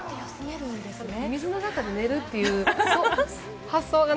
水の中で寝るっていう発想が。